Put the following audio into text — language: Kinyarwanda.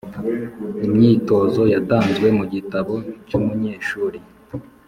Imyitozo yatanzwe mu gitabo cy’umunyeshuri